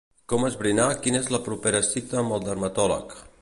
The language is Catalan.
Com esbrinar quina és la propera cita amb el dermatòleg.